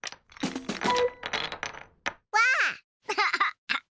わあ！